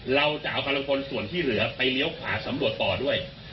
เราจะเอากำลังพลส่วนที่เหลือไปเลี้ยวขวาสำรวจต่อด้วย